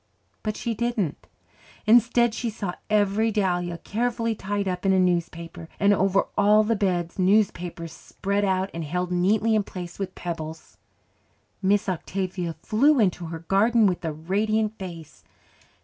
But she didn't. Instead she saw every dahlia carefully tied up in a newspaper, and over all the beds newspapers spread out and held neatly in place with pebbles. Miss Octavia flew into her garden with a radiant face.